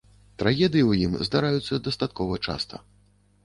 Трагедыі ў ім здараюцца дастаткова часта.